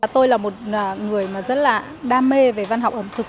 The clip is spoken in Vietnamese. tôi là một người mà rất là đam mê về văn học ẩm thực